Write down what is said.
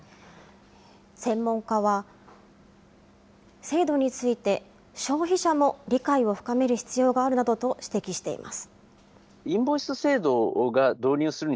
専門家は、制度について、消費者も理解を深める必要があるなどと指摘しています。